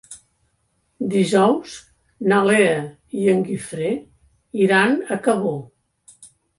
Dijous na Lea i en Guifré iran a Cabó.